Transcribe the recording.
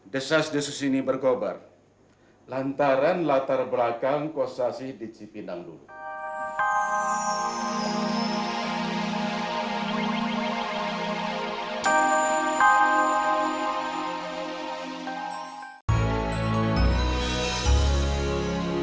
desas desus ini berkobar lantaran latar belakang kostasi di cipinang dulu